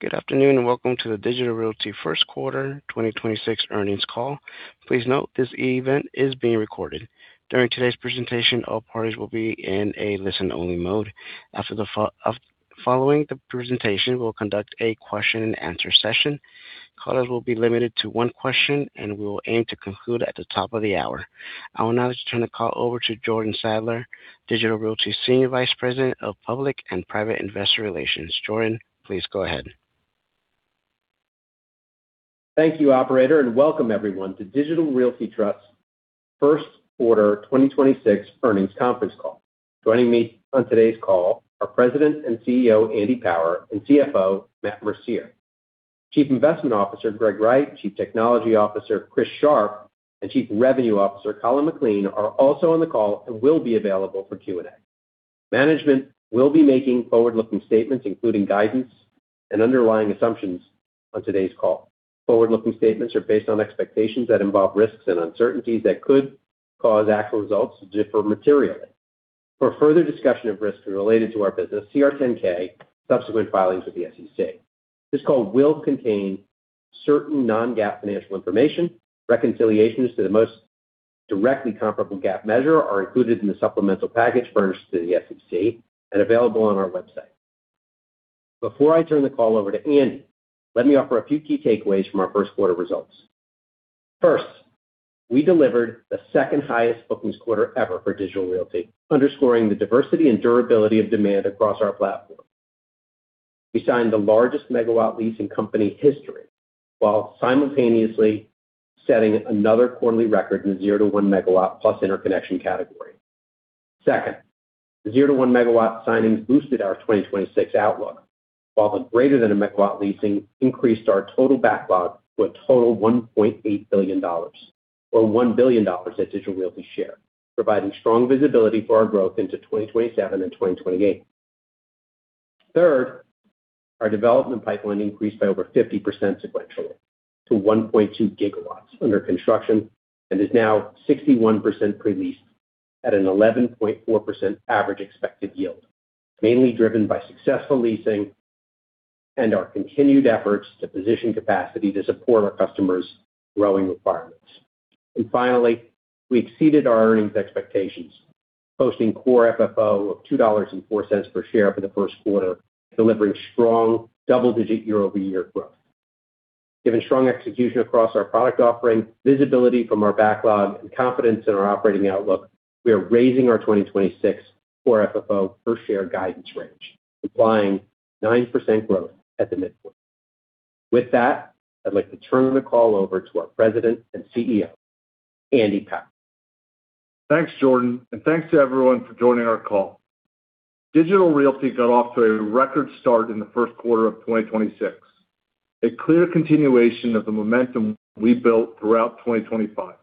Good afternoon, and welcome to the Digital Realty first quarter 2026 earnings call. Please note this event is being recorded. During today's presentation, all parties will be in a listen-only mode. Following the presentation, we'll conduct a question and answer session. Callers will be limited to one question, and we will aim to conclude at the top of the hour. I will now turn the call over to Jordan Sadler, Digital Realty Senior Vice President of Public and Private Investor Relations. Jordan, please go ahead. Thank you, operator, and welcome everyone to Digital Realty Trust first quarter 2026 earnings conference call. Joining me on today's call are President and CEO, Andy Power, and CFO, Matt Mercier. Chief Investment Officer, Greg Wright, Chief Technology Officer, Chris Sharp, and Chief Revenue Officer, Colin McLean, are also on the call and will be available for Q&A. Management will be making forward-looking statements, including guidance and underlying assumptions on today's call. Forward-looking statements are based on expectations that involve risks and uncertainties that could cause actual results to differ materially. For further discussion of risks related to our business, see our 10-K subsequent filings with the SEC. This call will contain certain non-GAAP financial information. Reconciliations to the most directly comparable GAAP measure are included in the supplemental package furnished to the SEC and available on our website. Before I turn the call over to Andy, let me offer a few key takeaways from our first quarter results. First, we delivered the second highest bookings quarter ever for Digital Realty, underscoring the diversity and durability of demand across our platform. We signed the largest megawatt lease in company history, while simultaneously setting another quarterly record in 0-1 MW+ interconnection category. Second, the 0-1 MW signings boosted our 2026 outlook, while the greater than 1 MW leasing increased our total backlog to a total $1.8 billion, or $1 billion at Digital Realty share, providing strong visibility for our growth into 2027 and 2028. Third, our development pipeline increased by over 50% sequentially to 1.2 GW under construction and is now 61% pre-leased at an 11.4% average expected yield, mainly driven by successful leasing and our continued efforts to position capacity to support our customers' growing requirements. Finally, we exceeded our earnings expectations, posting Core FFO of $2.04 per share for the first quarter, delivering strong double-digit year-over-year growth. Given strong execution across our product offering, visibility from our backlog, and confidence in our operating outlook, we are raising our 2026 Core FFO per share guidance range, implying 9% growth at the midpoint. With that, I'd like to turn the call over to our President and CEO, Andy Power. Thanks, Jordan, and thanks to everyone for joining our call. Digital Realty got off to a record start in the first quarter of 2026, a clear continuation of the momentum we built throughout 2025.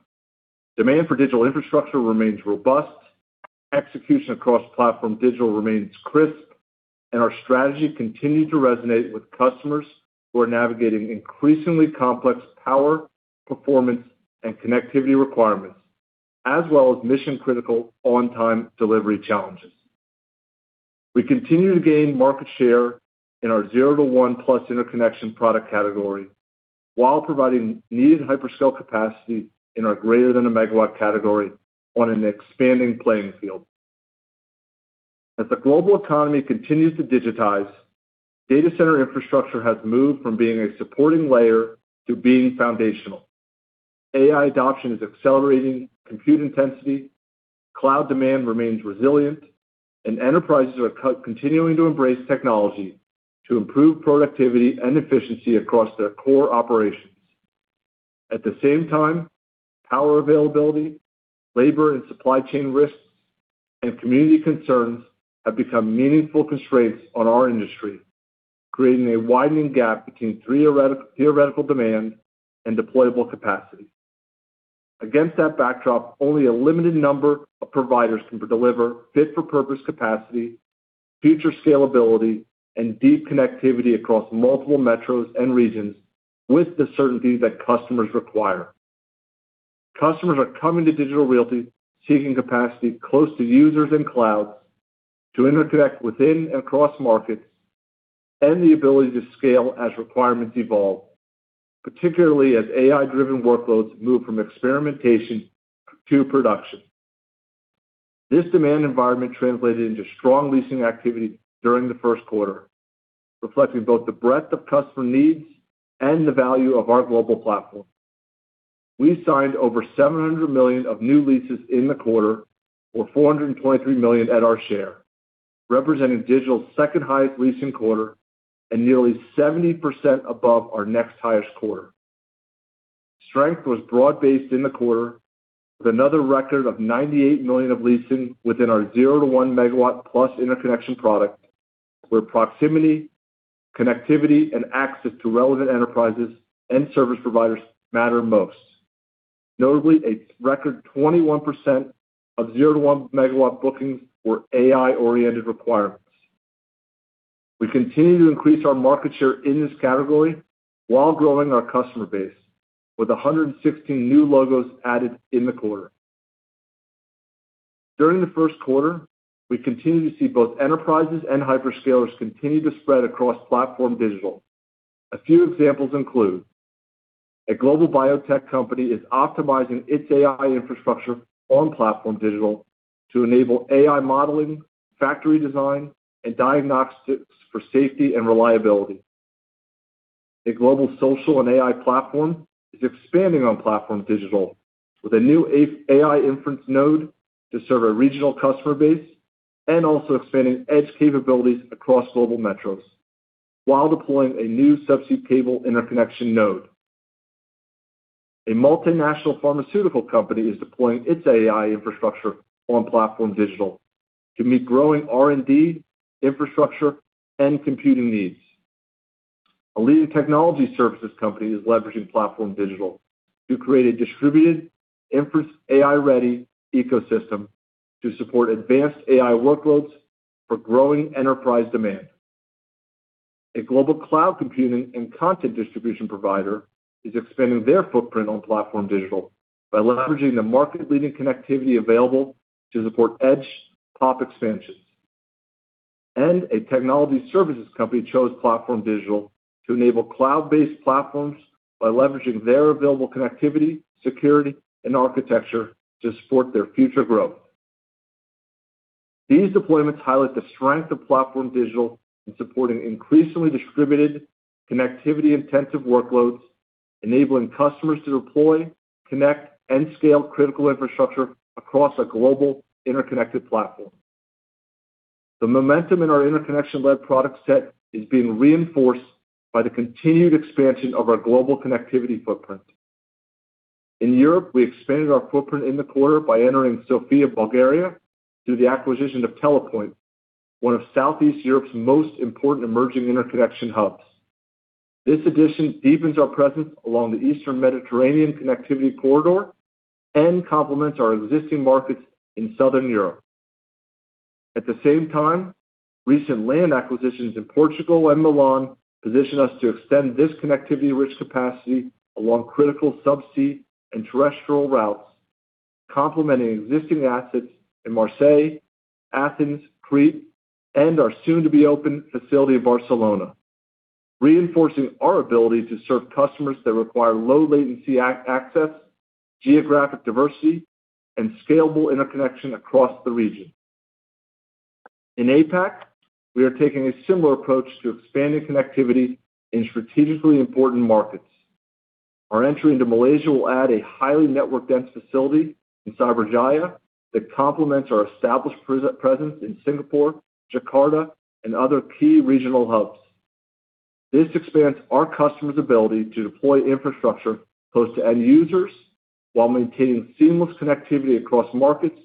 Demand for digital infrastructure remains robust, execution across PlatformDIGITAL remains crisp, and our strategy continued to resonate with customers who are navigating increasingly complex power, performance, and connectivity requirements, as well as mission-critical on-time delivery challenges. We continue to gain market share in our 0-1+ interconnection product category while providing needed hyperscale capacity in our greater than a megawatt category on an expanding playing field. As the global economy continues to digitize, data center infrastructure has moved from being a supporting layer to being foundational. AI adoption is accelerating compute intensity, cloud demand remains resilient, and enterprises are continuing to embrace technology to improve productivity and efficiency across their core operations. At the same time, power availability, labor and supply chain risks, and community concerns have become meaningful constraints on our industry, creating a widening gap between theoretical demand and deployable capacity. Against that backdrop, only a limited number of providers can deliver fit-for-purpose capacity, future scalability, and deep connectivity across multiple metros and regions with the certainty that customers require. Customers are coming to Digital Realty seeking capacity close to users and clouds to interject within and across markets, and the ability to scale as requirements evolve, particularly as AI-driven workloads move from experimentation to production. This demand environment translated into strong leasing activity during the first quarter, reflecting both the breadth of customer needs and the value of our global platform. We signed over $700 million of new leases in the quarter, or $423 million at our share, representing Digital's second highest leasing quarter and nearly 70% above our next highest quarter. Strength was broad-based in the quarter with another record of $98 million of leasing within our 0-1 MW plus interconnection product, where proximity, connectivity, and access to relevant enterprises and service providers matter most. Notably, a record 21% of 0-1 MW bookings were AI-oriented requirements. We continue to increase our market share in this category while growing our customer base with 116 new logos added in the quarter. During the first quarter, we continued to see both enterprises and hyperscalers continue to spread across PlatformDIGITAL. A few examples include a global biotech company is optimizing its AI infrastructure on PlatformDIGITAL to enable AI modeling, factory design, and diagnostics for safety and reliability. A global social and AI platform is expanding on PlatformDIGITAL with a new AI inference node to serve a regional customer base and also expanding edge capabilities across global metros, while deploying a new subsea cable interconnection node. A multinational pharmaceutical company is deploying its AI infrastructure on PlatformDIGITAL to meet growing R&D, infrastructure, and computing needs. A leading technology services company is leveraging PlatformDIGITAL to create a distributed inference AI-ready ecosystem to support advanced AI workloads for growing enterprise demand. A global cloud computing and content distribution provider is expanding their footprint on PlatformDIGITAL by leveraging the market-leading connectivity available to support edge POP expansions. And a technology services company chose PlatformDIGITAL to enable cloud-based platforms by leveraging their available connectivity, security, and architecture to support their future growth. These deployments highlight the strength of PlatformDIGITAL in supporting increasingly distributed connectivity-intensive workloads, enabling customers to deploy, connect, and scale critical infrastructure across a global interconnected platform. The momentum in our interconnection-led product set is being reinforced by the continued expansion of our global connectivity footprint. In Europe, we expanded our footprint in the quarter by entering Sofia, Bulgaria, through the acquisition of Telepoint, one of Southeast Europe's most important emerging interconnection hubs. This addition deepens our presence along the Eastern Mediterranean connectivity corridor and complements our existing markets in Southern Europe. At the same time, recent land acquisitions in Portugal and Milan position us to extend this connectivity-rich capacity along critical subsea and terrestrial routes, complementing existing assets in Marseille, Athens, Crete, and our soon-to-be-open facility in Barcelona, reinforcing our ability to serve customers that require low-latency access, geographic diversity, and scalable interconnection across the region. In APAC, we are taking a similar approach to expanding connectivity in strategically important markets. Our entry into Malaysia will add a highly network-dense facility in Cyberjaya that complements our established presence in Singapore, Jakarta, and other key regional hubs. This expands our customers' ability to deploy infrastructure close to end users while maintaining seamless connectivity across markets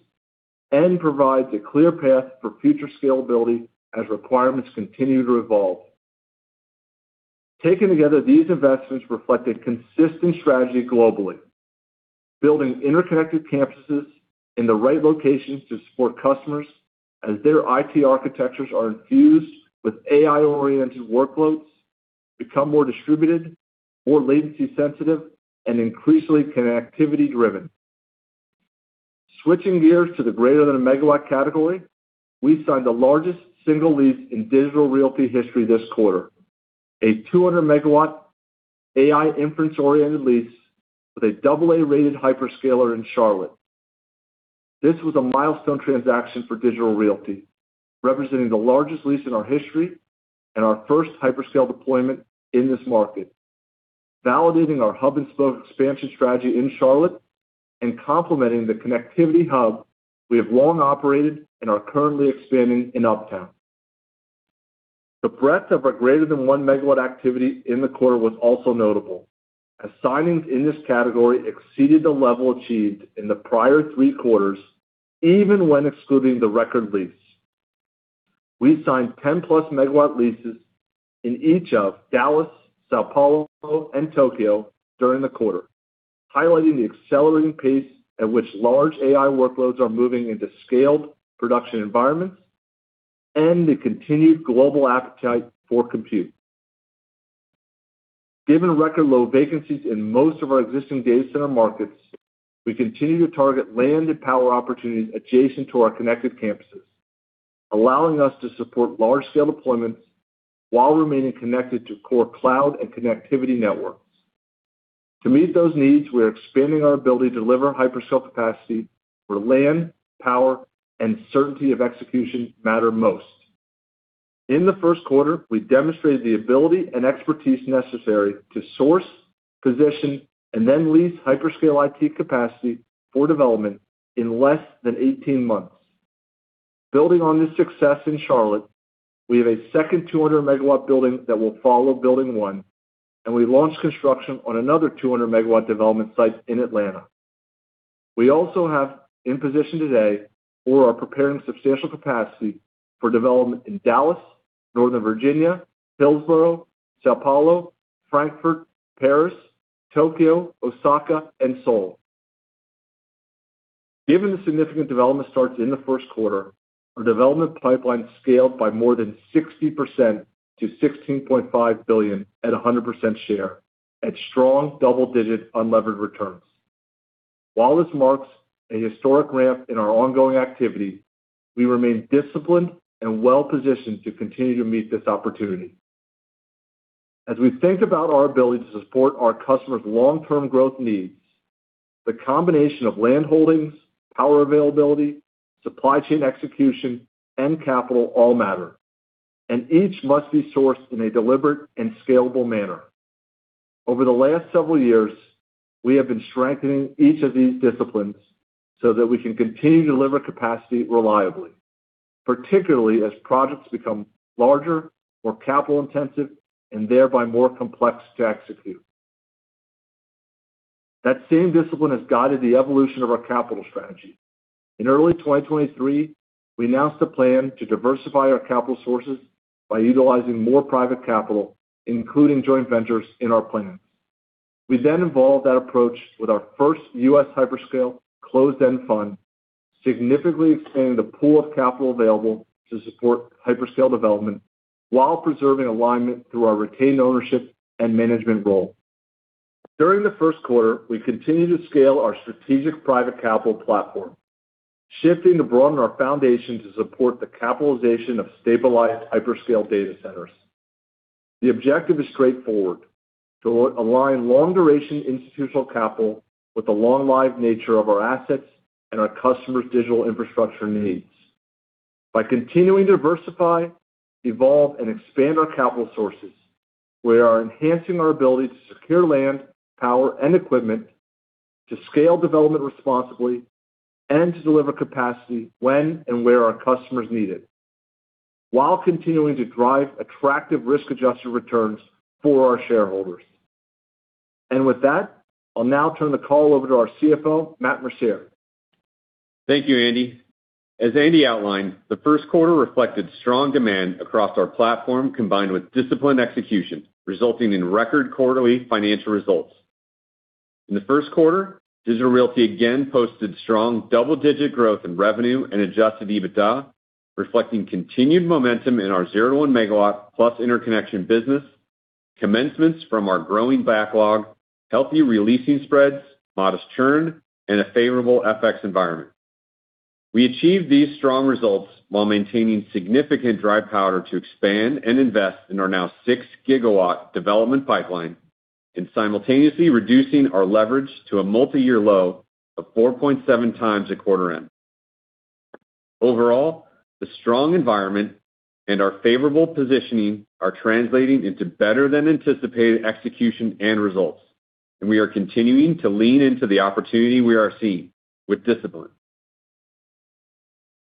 and provides a clear path for future scalability as requirements continue to evolve. Taken together, these investments reflect a consistent strategy globally. Building interconnected campuses in the right locations to support customers as their IT architectures are infused with AI-oriented workloads, become more distributed, more latency sensitive, and increasingly connectivity driven. Switching gears to the greater than 1 MW category, we signed the largest single lease in Digital Realty history this quarter, a 200 MW AI inference-oriented lease with a double-A-rated hyperscaler in Charlotte. This was a milestone transaction for Digital Realty, representing the largest lease in our history and our first hyperscale deployment in this market, validating our hub and spoke expansion strategy in Charlotte and complementing the connectivity hub we have long operated and are currently expanding in Uptown. The breadth of our greater than 1 MW activity in the quarter was also notable, as signings in this category exceeded the level achieved in the prior three quarters, even when excluding the record lease. We signed 10+ MW leases in each of Dallas, São Paulo, and Tokyo during the quarter, highlighting the accelerating pace at which large AI workloads are moving into scaled production environments and the continued global appetite for compute. Given record low vacancies in most of our existing data center markets, we continue to target land and power opportunities adjacent to our connected campuses, allowing us to support large-scale deployments while remaining connected to core cloud and connectivity networks. To meet those needs, we are expanding our ability to deliver hyperscale capacity where land, power, and certainty of execution matter most. In the first quarter, we demonstrated the ability and expertise necessary to source, position, and then lease hyperscale IT capacity for development in less than 18 months. Building on this success in Charlotte, we have a second 200 MW building that will follow building one, and we launched construction on another 200 MW development site in Atlanta. We also have in position today or are preparing substantial capacity for development in Dallas, Northern Virginia, Hillsboro, São Paulo, Frankfurt, Paris, Tokyo, Osaka, and Seoul. Given the significant development starts in the first quarter, our development pipeline scaled by more than 60% to $16.5 billion at 100% share at strong double-digit unlevered returns. While this marks a historic ramp in our ongoing activity, we remain disciplined and well-positioned to continue to meet this opportunity. As we think about our ability to support our customers' long-term growth needs, the combination of land holdings, power availability, supply chain execution, and capital all matter, and each must be sourced in a deliberate and scalable manner. Over the last several years, we have been strengthening each of these disciplines so that we can continue to deliver capacity reliably, particularly as projects become larger, more capital-intensive, and thereby more complex to execute. That same discipline has guided the evolution of our capital strategy. In early 2023, we announced a plan to diversify our capital sources by utilizing more private capital, including joint ventures, in our plans. We then evolved that approach with our first U.S. hyperscale closed-end fund, significantly expanding the pool of capital available to support hyperscale development while preserving alignment through our retained ownership and management role. During the first quarter, we continued to scale our strategic private capital platform, shifting to broaden our foundation to support the capitalization of stabilized hyperscale data centers. The objective is straightforward: to align long-duration institutional capital with the long-life nature of our assets and our customers' digital infrastructure needs. By continuing to diversify, evolve, and expand our capital sources, we are enhancing our ability to secure land, power, and equipment to scale development responsibly and to deliver capacity when and where our customers need it while continuing to drive attractive risk-adjusted returns for our shareholders. And with that, I'll now turn the call over to our CFO, Matt Mercier. Thank you, Andy. As Andy outlined, the first quarter reflected strong demand across our platform, combined with disciplined execution, resulting in record quarterly financial results. In the first quarter, Digital Realty again posted strong double-digit growth in revenue and Adjusted EBITDA, reflecting continued momentum in our 0-1 MW+ interconnection business, commencements from our growing backlog, healthy re-leasing spreads, modest churn, and a favorable FX environment. We achieved these strong results while maintaining significant dry powder to expand and invest in our now 6 GW development pipeline and simultaneously reducing our leverage to a multiyear low of 4.7x at quarter end. Overall, the strong environment and our favorable positioning are translating into better-than-anticipated execution and results, and we are continuing to lean into the opportunity we are seeing with discipline.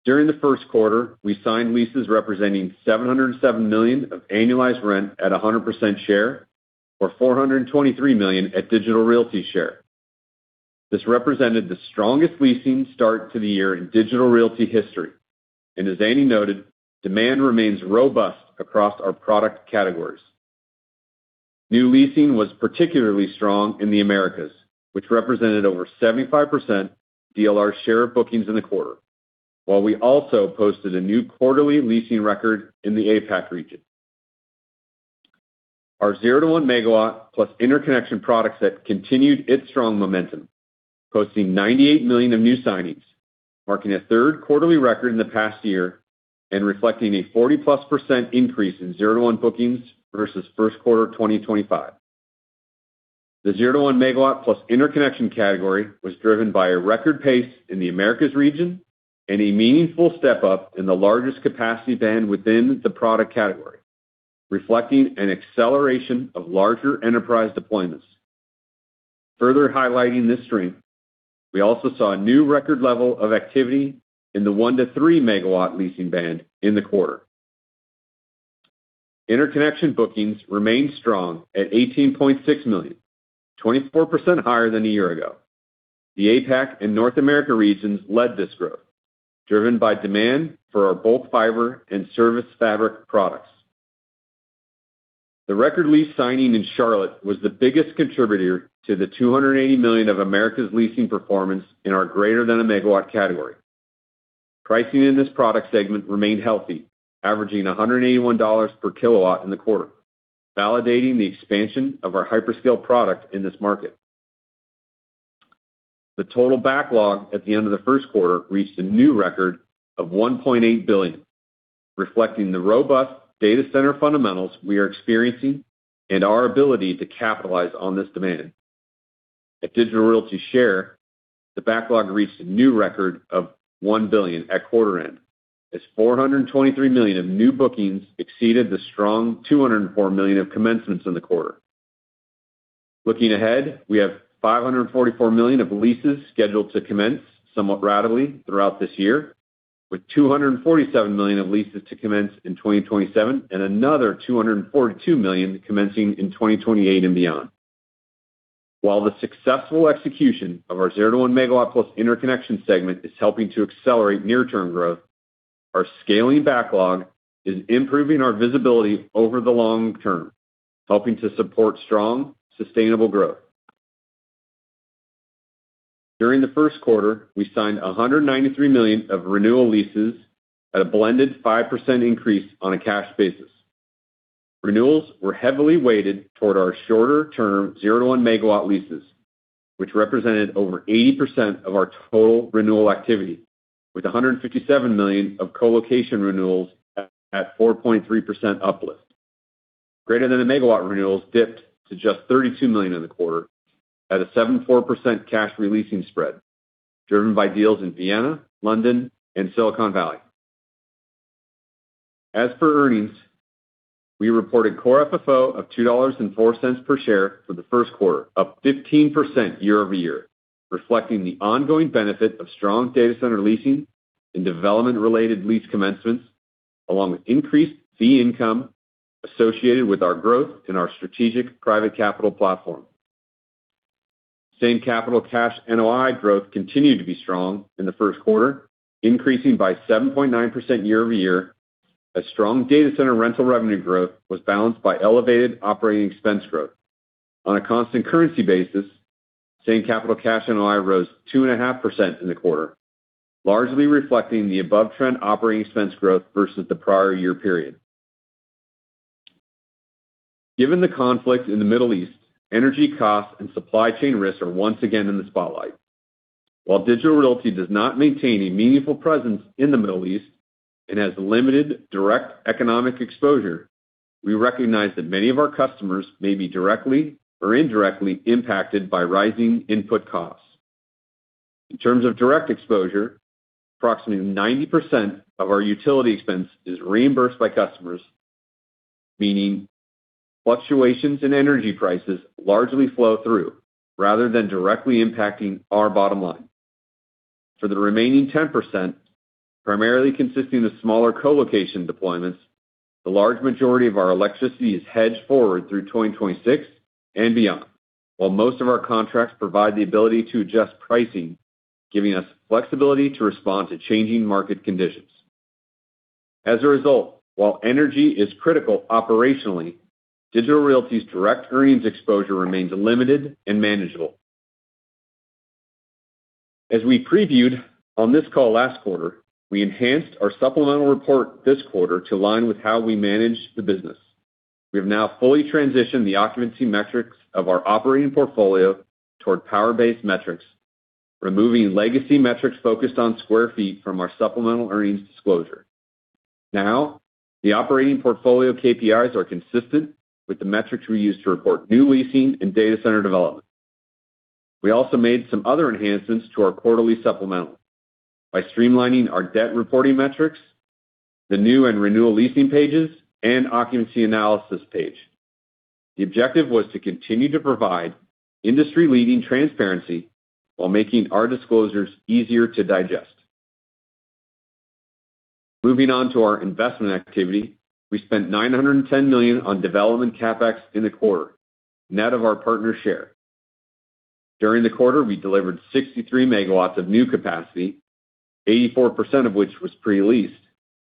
During the first quarter, we signed leases representing $707 million of annualized rent at 100% share or $423 million at Digital Realty share. This represented the strongest leasing start to the year in Digital Realty history, and as Andy noted, demand remains robust across our product categories. New leasing was particularly strong in the Americas, which represented over 75% DLR share of bookings in the quarter. While we also posted a new quarterly leasing record in the APAC region. Our 0-1 MW+ interconnection product set continued its strong momentum, posting $98 million of new signings, marking a third quarterly record in the past year and reflecting a 40%+ increase in 0-1 bookings versus first quarter 2025. The 0-1 MW+ interconnection category was driven by a record pace in the Americas region and a meaningful step-up in the largest capacity band within the product category, reflecting an acceleration of larger enterprise deployments. Further highlighting this strength, we also saw a new record level of activity in the 1-3 MW leasing band in the quarter. Interconnection bookings remained strong at $18.6 million, 24% higher than a year ago. The APAC and North America regions led this growth, driven by demand for our both fiber and ServiceFabric products. The record lease signing in Charlotte was the biggest contributor to the $280 million of Americas leasing performance in our greater than a megawatt category. Pricing in this product segment remained healthy, averaging $181 per kW in the quarter, validating the expansion of our hyperscale product in this market. The total backlog at the end of the first quarter reached a new record of $1.8 billion, reflecting the robust data center fundamentals we are experiencing and our ability to capitalize on this demand. At Digital Realty share, the backlog reached a new record of $1 billion at quarter end, as $423 million of new bookings exceeded the strong $204 million of commencements in the quarter. Looking ahead, we have $544 million of leases scheduled to commence somewhat ratably throughout this year, with $247 million of leases to commence in 2027 and another $242 million commencing in 2028 and beyond. While the successful execution of our 0-1 MW+ interconnection segment is helping to accelerate near-term growth, our scaling backlog is improving our visibility over the long term, helping to support strong, sustainable growth. During the first quarter, we signed $193 million of renewal leases at a blended 5% increase on a cash basis. Renewals were heavily weighted toward our shorter term 0-1 MW leases, which represented over 80% of our total renewal activity, with $157 million of colocation renewals at 4.3% uplift. Greater than a megawatt renewals dipped to just $32 million in the quarter at a 74% cash leasing spread, driven by deals in Vienna, London, and Silicon Valley. As for earnings, we reported Core FFO of $2.04 per share for the first quarter, up 15% year-over-year, reflecting the ongoing benefit of strong data center leasing and development-related lease commencements, along with increased fee income associated with our growth in our strategic private capital platform. Same-Capital Cash NOI growth continued to be strong in the first quarter, increasing by 7.9% year-over-year, as strong data center rental revenue growth was balanced by elevated operating expense growth. On a constant currency basis, Same-Capital Cash NOI rose 2.5% in the quarter, largely reflecting the above-trend operating expense growth versus the prior year period. Given the conflict in the Middle East, energy costs and supply chain risks are once again in the spotlight. While Digital Realty does not maintain a meaningful presence in the Middle East and has limited direct economic exposure, we recognize that many of our customers may be directly or indirectly impacted by rising input costs. In terms of direct exposure, approximately 90% of our utility expense is reimbursed by customers, meaning fluctuations in energy prices largely flow through rather than directly impacting our bottom line. For the remaining 10%, primarily consisting of smaller colocation deployments, the large majority of our electricity is hedged forward through 2026 and beyond, while most of our contracts provide the ability to adjust pricing, giving us flexibility to respond to changing market conditions. As a result, while energy is critical operationally, Digital Realty's direct earnings exposure remains limited and manageable. As we previewed on this call last quarter, we enhanced our supplemental report this quarter to align with how we manage the business. We have now fully transitioned the occupancy metrics of our operating portfolio toward power-based metrics, removing legacy metrics focused on sq ft from our supplemental earnings disclosure. Now, the operating portfolio KPIs are consistent with the metrics we use to report new leasing and data center development. We also made some other enhancements to our quarterly supplemental by streamlining our debt reporting metrics, the new and renewal leasing pages, and occupancy analysis page. The objective was to continue to provide industry-leading transparency while making our disclosures easier to digest. Moving on to our investment activity, we spent $910 million on development CapEx in the quarter, net of our partner share. During the quarter, we delivered 63 MW of new capacity, 84% of which was pre-leased,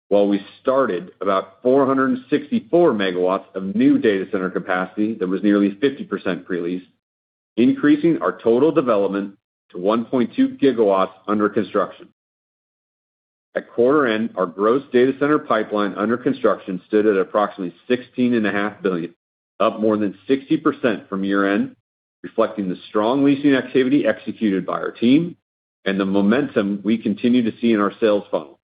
while we started about 464 MW of new data center capacity, that was nearly 50% pre-leased, increasing our total development to 1.2 GW under construction. At quarter end, our gross data center pipeline under construction stood at approximately $16.5 billion, up more than 60% from year-end, reflecting the strong leasing activity executed by our team and the momentum we continue to see in our sales funnel.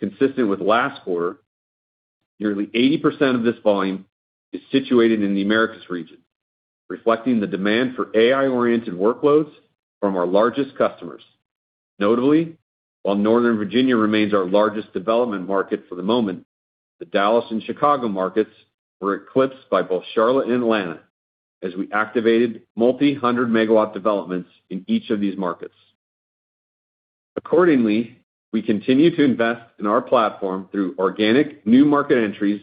Consistent with last quarter, nearly 80% of this volume is situated in the Americas region, reflecting the demand for AI-oriented workloads from our largest customers. Notably, while Northern Virginia remains our largest development market for the moment, the Dallas and Chicago markets were eclipsed by both Charlotte and Atlanta as we activated multi-hundred megawatt developments in each of these markets. Accordingly, we continue to invest in our platform through organic new market entries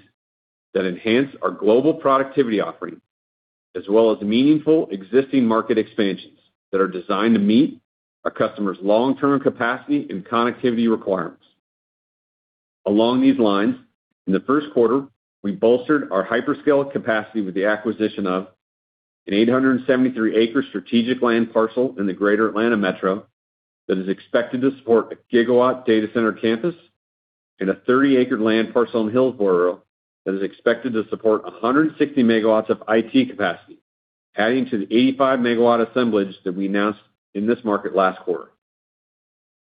that enhance our global connectivity offering, as well as meaningful existing market expansions that are designed to meet our customers' long-term capacity and connectivity requirements. Along these lines, in the first quarter, we bolstered our hyperscale capacity with the acquisition of an 873 acre strategic land parcel in the Greater Atlanta Metro that is expected to support a 1 GW data center campus and a 30 acre land parcel in Hillsboro that is expected to support 160 MW of IT capacity, adding to the 85 MW assemblage that we announced in this market last quarter.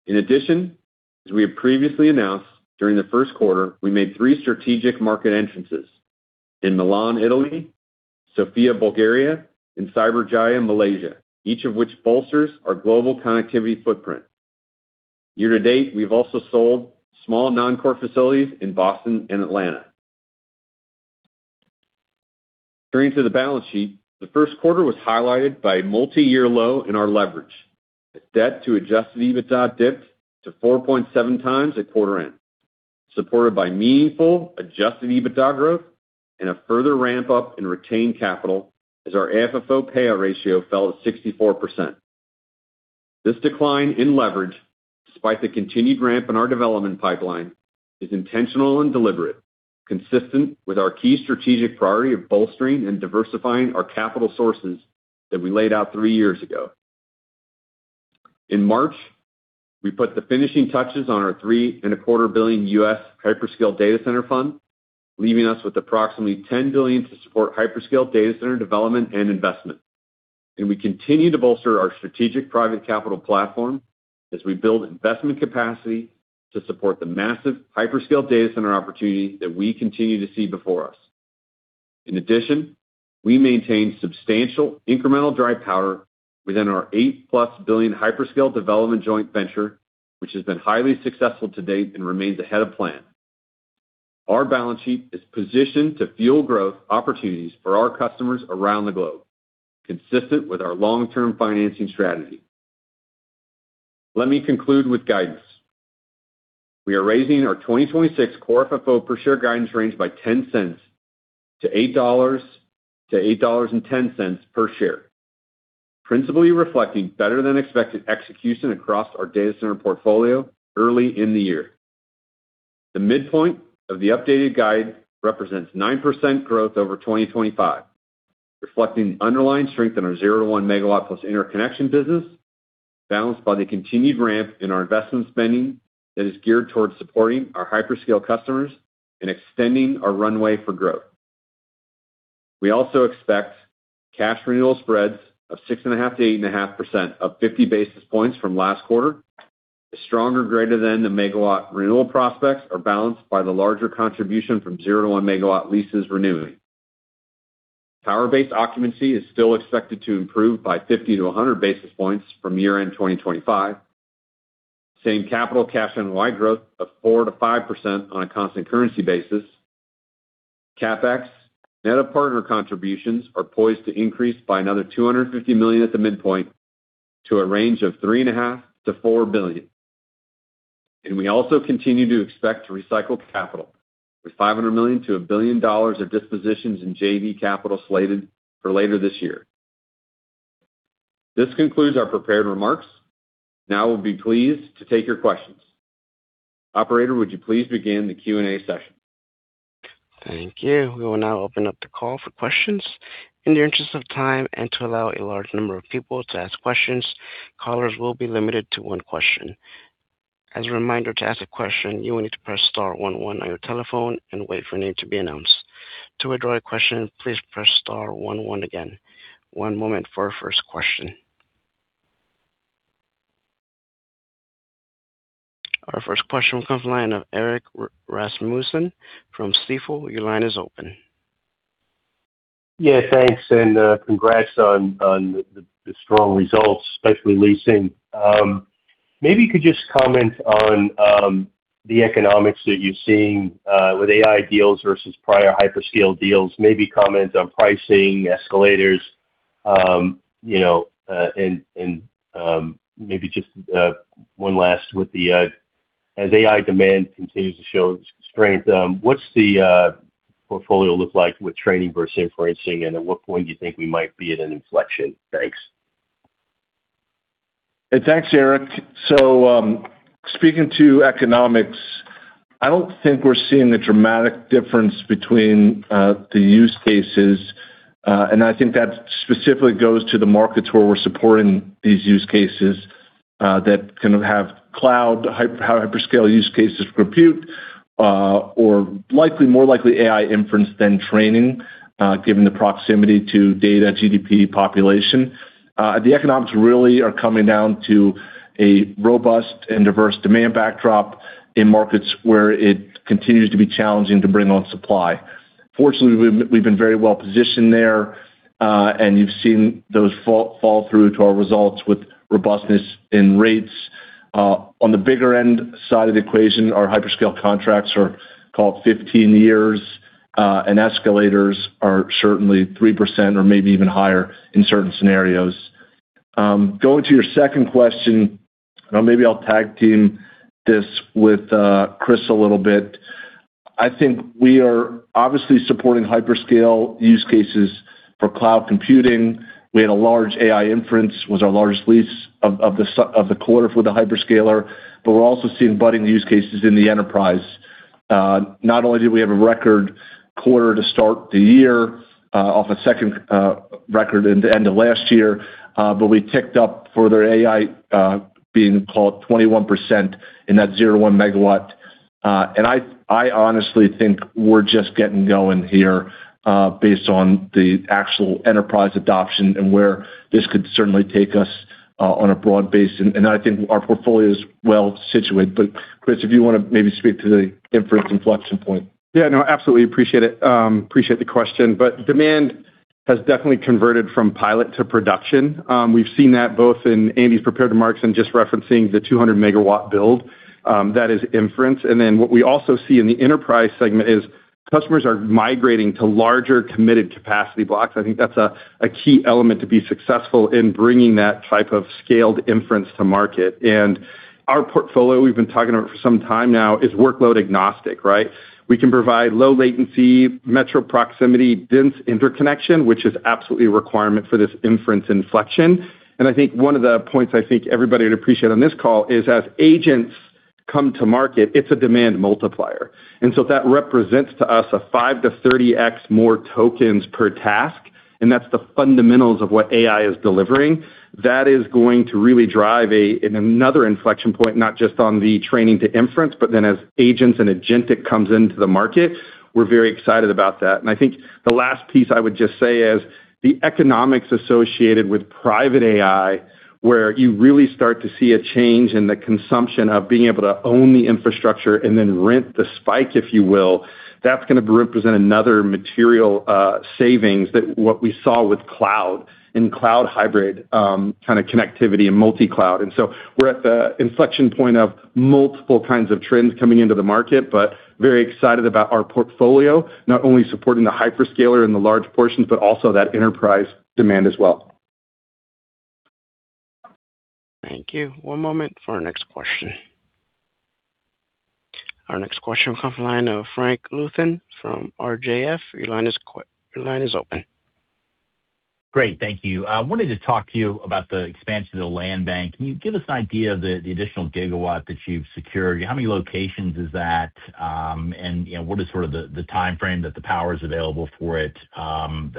In addition, as we have previously announced, during the first quarter, we made three strategic market entrances in Milan, Italy, Sofia, Bulgaria, and Cyberjaya, Malaysia, each of which bolsters our global connectivity footprint. Year to date, we've also sold small non-core facilities in Boston and Atlanta. Turning to the balance sheet, the first quarter was highlighted by a multiyear low in our leverage. Debt to Adjusted EBITDA dipped to 4.7x at quarter end, supported by meaningful Adjusted EBITDA growth and a further ramp up in retained capital as our FFO Payout Ratio fell to 64%. This decline in leverage Despite the continued ramp in our development pipeline, it is intentional and deliberate, consistent with our key strategic priority of bolstering and diversifying our capital sources that we laid out three years ago. In March, we put the finishing touches on our $3.25 billion U.S. hyperscale data center fund, leaving us with approximately $10 billion to support hyperscale data center development and investment. We continue to bolster our strategic private capital platform as we build investment capacity to support the massive hyperscale data center opportunity that we continue to see before us. In addition, we maintain substantial incremental dry powder within our $8+ billion hyperscale development joint venture, which has been highly successful to date and remains ahead of plan. Our balance sheet is positioned to fuel growth opportunities for our customers around the globe, consistent with our long-term financing strategy. Let me conclude with guidance. We are raising our 2026 Core FFO per share guidance range by $0.10-$8-$8.10 per share, principally reflecting better than expected execution across our data center portfolio early in the year. The midpoint of the updated guide represents 9% growth over 2025, reflecting the underlying strength in our 0-1 MW+ interconnection business, balanced by the continued ramp in our investment spending that is geared towards supporting our hyperscale customers and extending our runway for growth. We also expect cash renewal spreads of 6.5%-8.5%, up 50 basis points from last quarter. The stronger greater than 1 MW renewal prospects are balanced by the larger contribution from 0-1 MW leases renewing. Tower-based occupancy is still expected to improve by 50 basis points-100 basis points from year-end 2025. Same-Capital Cash NOI growth of 4%-5% on a constant currency basis. CapEx net of partner contributions are poised to increase by another $250 million at the midpoint to a range of $3.5 billion-$4 billion. We also continue to expect to recycle capital with $500 million-$1 billion of dispositions in JV capital slated for later this year. This concludes our prepared remarks. Now we'll be pleased to take your questions. Operator, would you please begin the Q&A session? Thank you. We will now open up the call for questions. In the interest of time and to allow a large number of people to ask questions, callers will be limited to one question. As a reminder, to ask a question, you will need to "press star one one" on your telephone and wait for your name to be announced. To withdraw your question, please "press star one one" again. One moment for our first question. Our first question will come from the line of Erik Rasmussen from Stifel. Your line is open. Thanks and congrats on the strong results, especially leasing. Maybe you could just comment on the economics that you're seeing with AI deals versus prior hyperscale deals. Maybe comment on pricing escalators, and maybe just one last, as AI demand continues to show strength, what's the portfolio look like with training versus inferencing? At what point do you think we might be at an inflection? Thanks. Thanks, Erik. Speaking to economics, I don't think we're seeing a dramatic difference between the use cases. And I think that specifically goes to the markets where we're supporting these use cases that kind of have cloud hyperscale use cases for compute or more likely AI inference than training, given the proximity to data, GDP, population. The economics really are coming down to a robust and diverse demand backdrop in markets where it continues to be challenging to bring on supply. Fortunately, we've been very well positioned there, and you've seen those flow through to our results with robustness in rates. On the bigger end side of the equation, our hyperscale contracts are called 15 years, and escalators are certainly 3% or maybe even higher in certain scenarios. Going to your second question, maybe I'll tag team this with Chris a little bit. I think we are obviously supporting hyperscale use cases for cloud computing. We had a large AI inference, was our largest lease of the quarter for the hyperscaler, but we're also seeing budding use cases in the enterprise. Not only did we have a record quarter to start the year, off a second record in the end of last year, but we ticked up further AI being called 21% in that 0-1 MW. And I honestly think we're just getting going here based on the actual enterprise adoption and where this could certainly take us on a broad base. And I think our portfolio is well situated. Chris, if you want to maybe speak to the inference inflection point. Absolutely. Appreciate it. Appreciate the question. Demand has definitely converted from pilot to production. We've seen that both in Andy's prepared remarks and just referencing the 200 MW build. That is inference. What we also see in the enterprise segment is customers are migrating to larger committed capacity blocks. I think that's a key element to be successful in bringing that type of scaled inference to market. Our portfolio, we've been talking about for some time now, is workload agnostic, right? We can provide low latency, metro proximity, dense interconnection, which is absolutely a requirement for this inference inflection. I think one of the points I think everybody would appreciate on this call is as agents come to market, it's a demand multiplier. That represents to us a 5-30x more tokens per task, and that's the fundamentals of what AI is delivering. That is going to really drive another inflection point, not just on the training to inference, but then as agents and agentic comes into the market. We're very excited about that. I think the last piece I would just say is the economics associated with private AI, where you really start to see a change in the consumption of being able to own the infrastructure and then rent the spike, if you will. That's going to represent another material savings that what we saw with cloud and cloud hybrid kind of connectivity and multi-cloud. We're at the inflection point of multiple kinds of trends coming into the market, but very excited about our portfolio, not only supporting the hyperscaler in the large portions, but also that enterprise demand as well. Thank you. One moment for our next question. Our next question will come from the line of Frank Louthan from RJF. Your line is open. Great. Thank you. I wanted to talk to you about the expansion of the land bank. Can you give us an idea of the additional gigawatt that you've secured? How many locations is that? What is sort of the timeframe that the power is available for it, and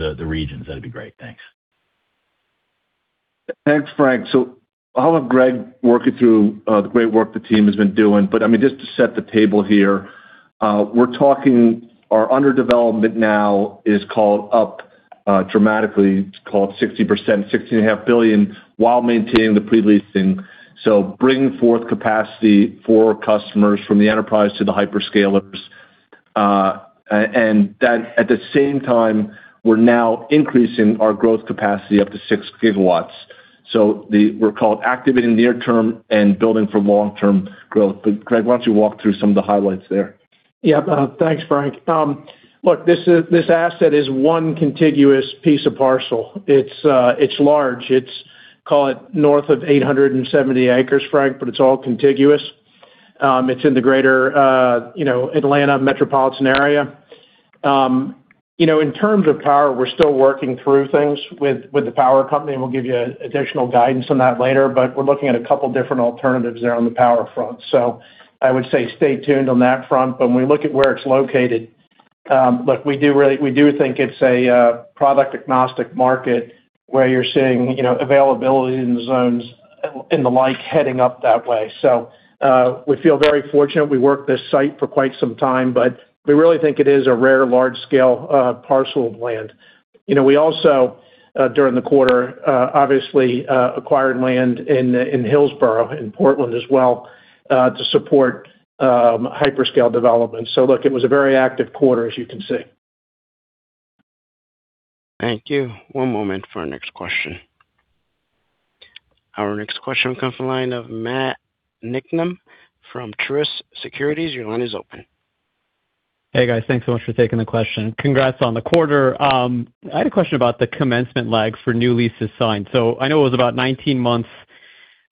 the regions? That'd be great. Thanks. Thanks, Frank. I'll have Greg walk you through the great work the team has been doing. I mean, just to set the table here, we're talking our under development now is scaled up dramatically. It's scaled 60%, $16.5 billion while maintaining the pre-leasing. Bringing forth capacity for customers from the enterprise to the hyperscalers. And that at the same time, we're now increasing our growth capacity up to 6 gigawatts. We're actively activating near-term and building for long-term growth. Greg, why don't you walk through some of the highlights there? Yeah. Thanks, Frank. Look, this asset is one contiguous piece of parcel. It's large. It's, call it, north of 870 acres, Frank, but it's all contiguous. It's in the greater Atlanta metropolitan area. In terms of power, we're still working through things with the power company, and we'll give you additional guidance on that later, but we're looking at a couple different alternatives there on the power front. I would say stay tuned on that front, but when we look at where it's located, look, we do think it's a product agnostic market where you're seeing availability in the zones and the like heading up that way. We feel very fortunate we worked this site for quite some time, but we really think it is a rare large scale parcel of land. We also, during the quarter, obviously, acquired land in Hillsboro, in Portland as well, to support hyperscale development. Look, it was a very active quarter as you can see. Thank you. One moment for our next question. Our next question comes from the line of Matt Niknam from Truist Securities. Your line is open. Hey, guys. Thanks so much for taking the question. Congrats on the quarter. I had a question about the commencement lag for new leases signed. I know it was about 19 months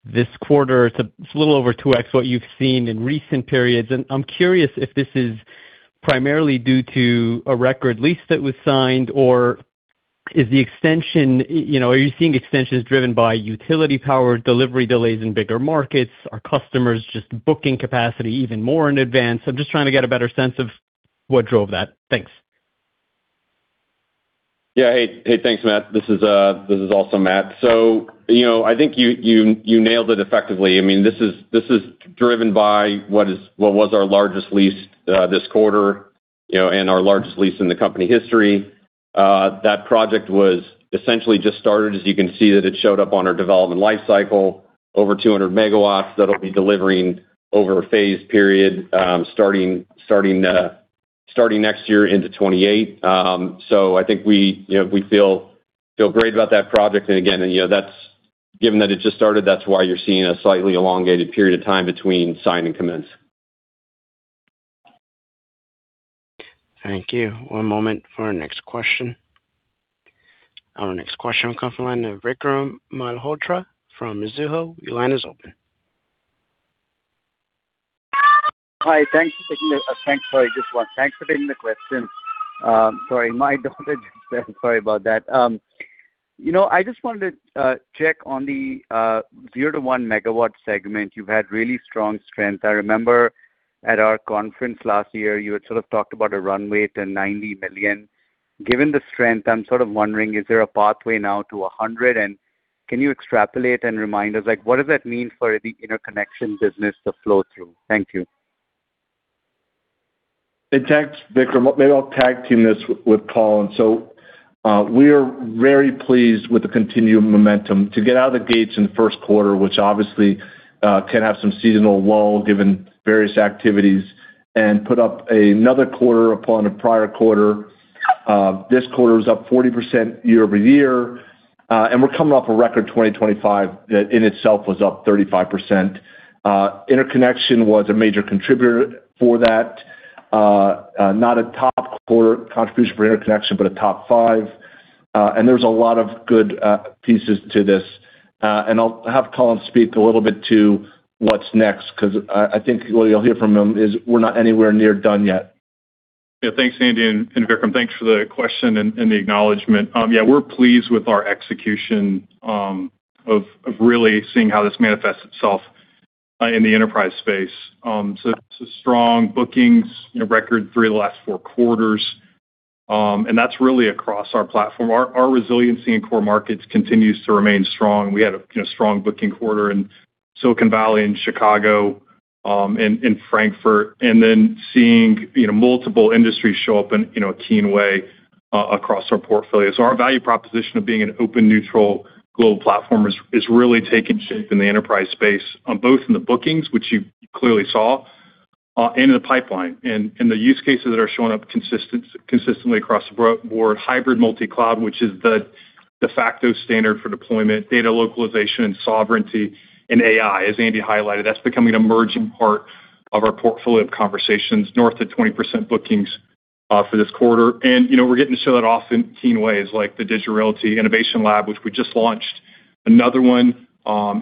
this quarter. It's a little over 2x what you've seen in recent periods. I'm curious if this is primarily due to a record lease that was signed or are you seeing extensions driven by utility power delivery delays in bigger markets? Are customers just booking capacity even more in advance? I'm just trying to get a better sense of what drove that. Thanks. Thanks, Matt. This is also Matt. I think you nailed it effectively. This is driven by what was our largest lease this quarter, and our largest lease in the company history. That project was essentially just started, as you can see that it showed up on our development life cycle, over 200 MW that'll be delivering over a phase period, starting next year into 2028. I think we feel great about that project. Again, given that it just started, that's why you're seeing a slightly elongated period of time between sign and commence. Thank you. One moment for our next question. Our next question comes from the line of Vikram Malhotra from Mizuho. Your line is open. Thanks for taking the question. Sorry, my daughter, sorry about that. I just wanted to check on the 0-1 MW segment. You've had really strong strength. I remember at our conference last year, you had sort of talked about a runway to $90 million. Given the strength, I'm sort of wondering, is there a pathway now to $100 million? Can you extrapolate and remind us, like, what does that mean for the interconnection business, the flow-through? Thank you. Hey, thanks, Vikram. Maybe I'll tag team this with Colin. We are very pleased with the continued momentum to get out of the gates in the first quarter, which obviously can have some seasonal lull given various activities, and put up another quarter upon the prior quarter. This quarter was up 40% year-over-year, and we're coming off a record 2025 that in itself was up 35%. Interconnection was a major contributor for that. Not a top quarter contribution for interconnection, but a top five. And there's a lot of good pieces to this. And I'll have Colin speak a little bit to what's next, because I think what you'll hear from him is we're not anywhere near done yet. Yeah. Thanks, Andy and Vikram. Thanks for the question and the acknowledgement. Yeah, we're pleased with our execution of really seeing how this manifests itself in the enterprise space. Strong bookings, record three of the last four quarters, and that's really across our platform. Our resiliency in core markets continues to remain strong. We had a strong booking quarter in Silicon Valley, in Chicago, and in Frankfurt. Seeing multiple industries show up in a keen way across our portfolio. Our value proposition of being an open, neutral global platform is really taking shape in the enterprise space, both in the bookings, which you clearly saw, and in the pipeline. The use cases that are showing up consistently across the board, hybrid multi-cloud, which is the de facto standard for deployment, data localization and sovereignty and AI, as Andy highlighted. That's becoming an emerging part of our portfolio of conversations, north of 20% bookings for this quarter. We're getting to show that off in keen ways, like the Digital Realty Innovation Lab, which we just launched another one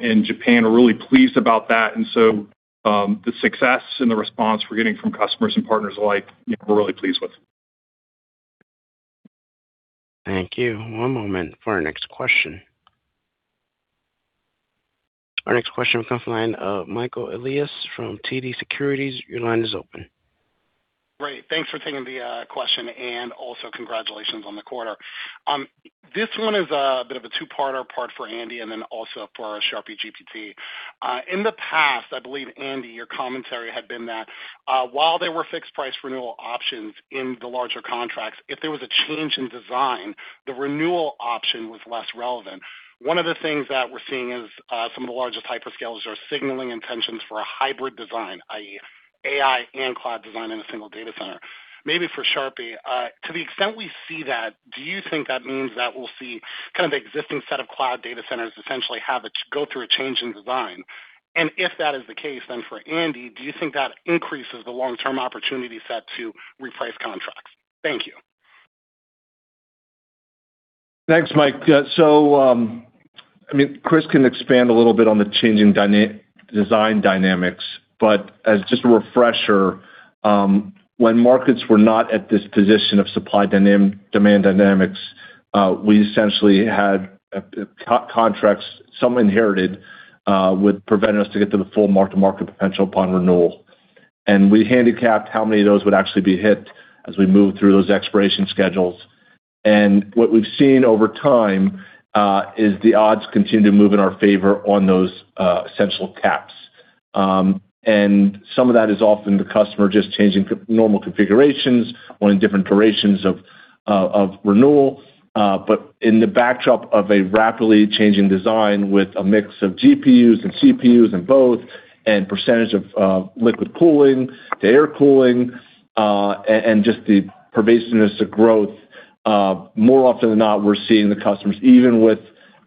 in Japan. We're really pleased about that. The success and the response we're getting from customers and partners alike, we're really pleased with. Thank you. One moment for our next question. Our next question comes from the line of Michael Elias from TD Securities. Your line is open. Great. Thanks for taking the question, and also congratulations on the quarter. This one is a bit of a two-parter for Andy and then also for Chris Sharp. In the past, I believe, Andy, your commentary had been that while there were fixed price renewal options in the larger contracts, if there was a change in design, the renewal option was less relevant. One of the things that we're seeing is some of the largest hyperscalers are signaling intentions for a hybrid design, i.e., AI and cloud design in a single data center. Maybe for Chris Sharp, to the extent we see that, do you think that means that we'll see kind of the existing set of cloud data centers essentially go through a change in design? If that is the case, then for Andy, do you think that increases the long-term opportunity set to reprice contracts? Thank you. Thanks, Mike. Chris can expand a little bit on the changing design dynamics, but as just a refresher, when markets were not at this position of supply demand dynamics, we essentially had contracts, some inherited would prevent us to get to the full mark-to-market potential upon renewal. We handicapped how many of those would actually be hit as we moved through those expiration schedules. What we've seen over time is the odds continue to move in our favor on those essential caps. Some of that is often the customer just changing normal configurations or in different durations of renewal. In the backdrop of a rapidly changing design with a mix of GPUs and CPUs and both, and percentage of liquid cooling to air cooling, and just the pervasiveness of growth, more often than not, we're seeing the customers, even with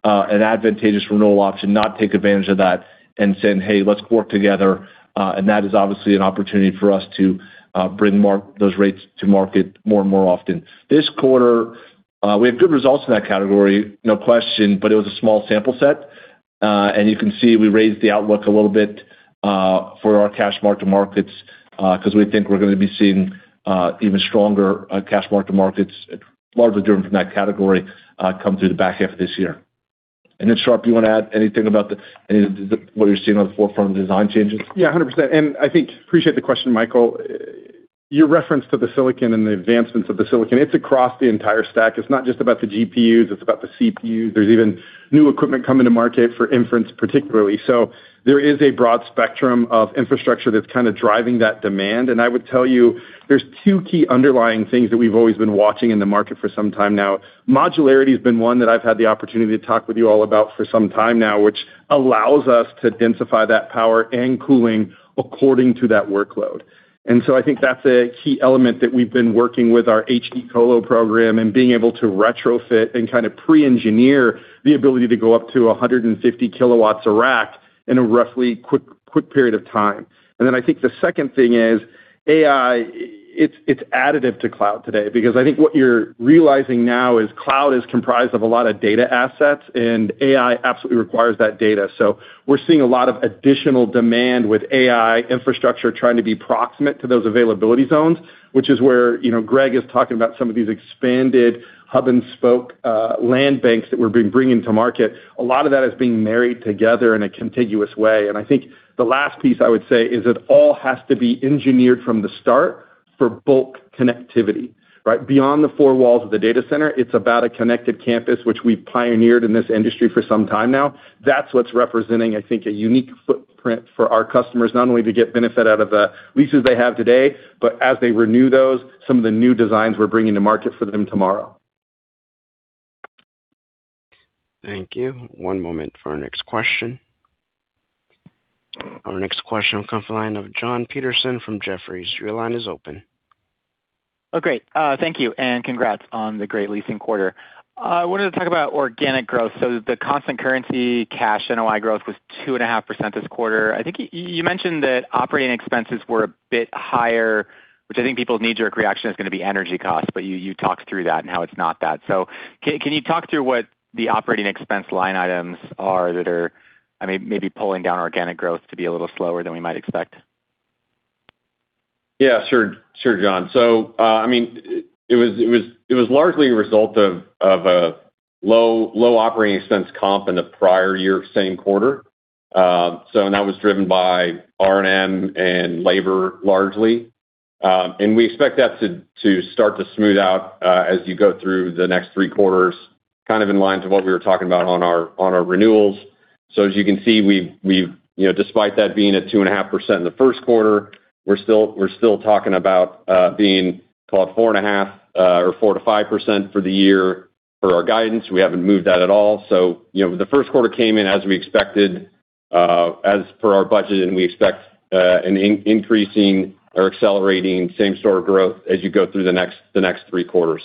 an advantageous renewal option, not take advantage of that and saying, "Hey, let's work together." That is obviously an opportunity for us to bring those rates to market more and more often. This quarter, we had good results in that category, no question, but it was a small sample set. You can see we raised the outlook a little bit for our cash mark-to-markets, because we think we're going to be seeing even stronger cash mark-to-markets, largely driven from that category, come through the back half of this year. Sharp, you want to add anything about what you're seeing on the forefront of design changes? Yeah, 100%. I think I appreciate the question, Michael. Your reference to the silicon and the advancements of the silicon, it's across the entire stack. It's not just about the GPUs, it's about the CPUs. There's even new equipment coming to market for inference, particularly. There is a broad spectrum of infrastructure that's kind of driving that demand. I would tell you, there's two key underlying things that we've always been watching in the market for some time now. Modularity has been one that I've had the opportunity to talk with you all about for some time now, which allows us to densify that power and cooling according to that workload. I think that's a key element that we've been working with our High-Density Colocation program and being able to retrofit and kind of pre-engineer the ability to go up to 150 kW a rack in a roughly quick period of time. I think the second thing is AI, it's additive to cloud today, because I think what you're realizing now is cloud is comprised of a lot of data assets, and AI absolutely requires that data. We're seeing a lot of additional demand with AI infrastructure trying to be proximate to those availability zones, which is where Greg is talking about some of these expanded hub and spoke land banks that we're bringing to market. A lot of that is being married together in a contiguous way. I think the last piece I would say is it all has to be engineered from the start for bulk connectivity. Right? Beyond the four walls of the data center, it's about a connected campus, which we've pioneered in this industry for some time now. That's what's representing, I think, a unique footprint for our customers, not only to get benefit out of the leases they have today, but as they renew those, some of the new designs we're bringing to market for them tomorrow. Thank you. One moment for our next question. Our next question comes from the line of Jon Petersen from Jefferies. Your line is open. Oh, great. Thank you, and congrats on the great leasing quarter. I wanted to talk about organic growth. The constant currency cash NOI growth was 2.5% this quarter. I think you mentioned that operating expenses were a bit higher, which I think people's knee-jerk reaction is going to be energy costs, but you talked through that and how it's not that. Can you talk through what the operating expense line items are that are maybe pulling down organic growth to be a little slower than we might expect? Yeah, sure, Jon. It was largely a result of a low operating expense comp in the prior year same quarter. That was driven by R&M and labor largely. We expect that to start to smooth out as you go through the next three quarters, kind of in line to what we were talking about on our renewals. As you can see, despite that being at 2.5% in the first quarter, we're still talking about being call it 4.5% or 4%-5% for the year for our guidance. We haven't moved that at all. The first quarter came in as we expected as for our budget, and we expect an increasing or accelerating same-store growth as you go through the next three quarters.